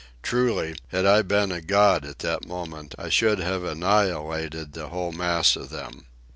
Truly, had I been a god at that moment, I should have annihilated the whole mass of them.